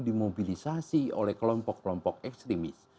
dimobilisasi oleh kelompok kelompok ekstremis